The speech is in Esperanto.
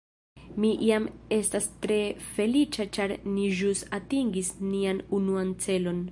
Mi jam estas tre feliĉa ĉar ni ĵus atingis nian unuan celon